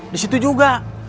di situ juga